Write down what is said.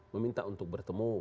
meminta untuk bertemu